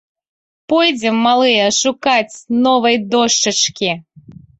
Пойдзем, малыя, шукаць новай дошчачкі!